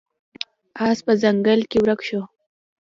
اس په ځنګل کې ورک شو.